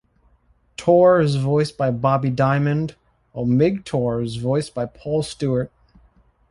Tor is voiced by Bobby Diamond, while Mightor is voiced by Paul Stewart.